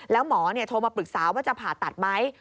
แล้วหมอโทรมาปรึกษาว่าจะผ่าตัดไหม